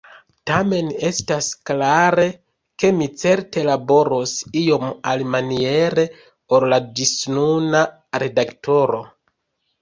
Tamen estas klare, ke mi certe laboros iom alimaniere ol la ĝisnuna redaktoro.